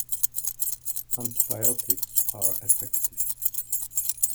Antibiotics are effective.